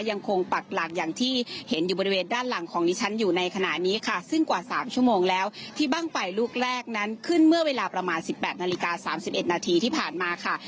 ปักหลักอย่างที่เห็นอยู่บริเวณด้านหลังของดิฉันอยู่ในขณะนี้ค่ะซึ่งกว่า๓ชั่วโมงแล้วที่บ้างไฟลูกแรกนั้นขึ้นเมื่อเวลาประมาณสิบแปดนาฬิกา๓๑นาทีที่ผ่านมาค่ะ